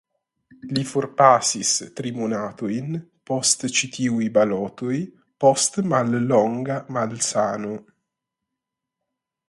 Li forpasis tri monatojn post ĉi tiuj balotoj post mallonga malsano.